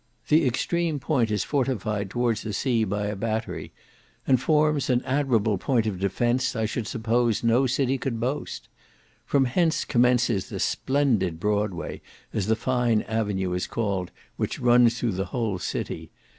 The extreme point is fortified towards the sea by a battery, and forms an admirable point of defence; I should suppose, no city could boast. From hence commences the splendid Broadway, as the fine avenue is called, which runs through the whole city.